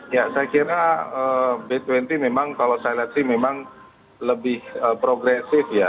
ya saya kira b dua puluh memang kalau saya lihat sih memang lebih progresif ya